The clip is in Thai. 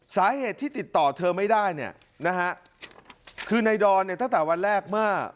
สาเหตุที่ติดต่อเธอไม่ได้เนี่ยนะฮะคือในดอนเนี่ยตั้งแต่วันแรกเมื่อ